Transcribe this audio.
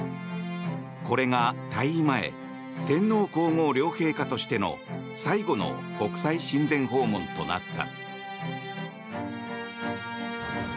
これが退位前天皇・皇后両陛下としての最後の国際親善訪問となった。